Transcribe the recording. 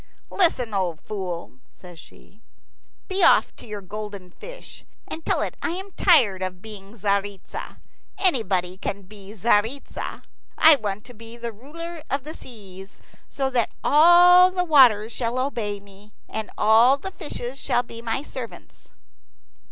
"Listen, old fool!" says she. "Be off to your golden fish, and tell it I am tired of being Tzaritza. Anybody can be Tzaritza. I want to be the ruler of the seas, so that all the waters shall obey me, and all the fishes shall be my servants."